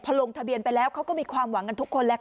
พอลงทะเบียนไปแล้วเขาก็มีความหวังกันทุกคนแล้วค่ะ